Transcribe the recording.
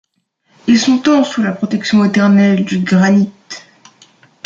Ils sont tant, sous la protection éternelle du granit.